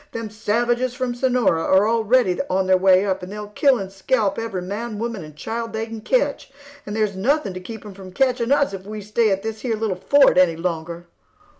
Them savages from Sonora are already on their way up, and they'll kill and scalp every man, woman, and child they can ketch, and there's nothing to keep them from ketching us, if we stay at this here little fort any longer."